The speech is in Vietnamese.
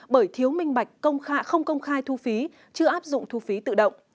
bởi thiếu minh bạch không công khai thu phí chưa áp dụng thu phí tự động